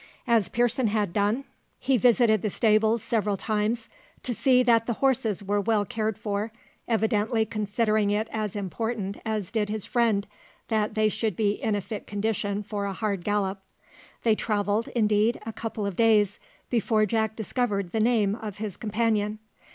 As Pearson had done, he visited the stables several times to see that the horses were well cared for, evidently considering it as important as did his friend, that they should be in a fit condition for a hard gallop. They travelled, indeed, a couple of days before Jack discovered the name of his companion.